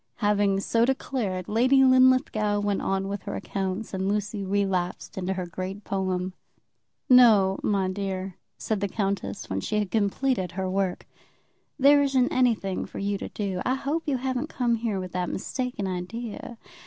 Having so declared, Lady Linlithgow went on with her accounts and Lucy relapsed into her great poem. "No, my dear," said the countess, when she had completed her work. "There isn't anything for you to do. I hope you haven't come here with that mistaken idea.